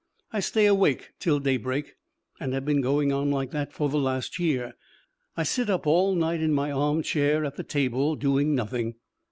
I stay awake till daybreak, and have been going on like that for the last year. I sit up all night in my arm chair at the table, doing nothing.